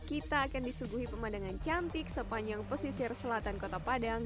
kita akan disuguhi pemandangan cantik sepanjang pesisir selatan kota padang